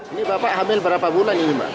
ini bapak hamil berapa bulan ini mbak